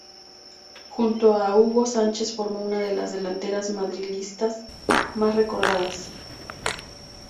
Junto a Hugo Sánchez formó una de las delanteras madridistas más recordadas.